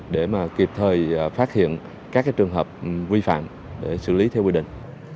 để kịp thời phát hiện các trường hợp vi phạm để xử lý theo quy định